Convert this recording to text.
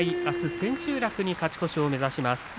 あす千秋楽に勝ち越しを目指します。